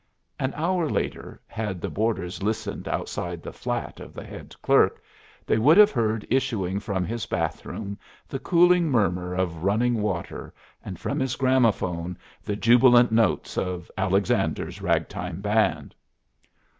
An hour later, had the boarders listened outside the flat of the head clerk, they would have heard issuing from his bathroom the cooling murmur of running water and from his gramophone the jubilant notes of "Alexander's Ragtime Band."